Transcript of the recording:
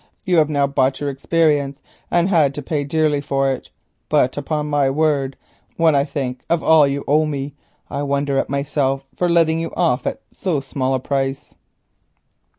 "You have now bought your experience and had to pay dearly for it; but, upon my word, when I think of all you owe me, I wonder at myself for letting you off at so small a price."